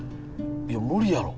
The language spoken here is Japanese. いや無理やろ。